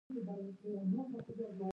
چاړه